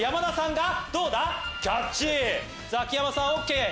ザキヤマさんＯＫ！